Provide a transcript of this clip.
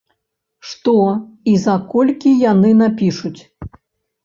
Што і за колькі яны напішуць?